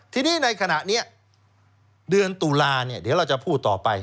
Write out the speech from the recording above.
ทีนี้ในขณะนี้เดือนตุลาเดี๋ยวเราจะพูดต่อไป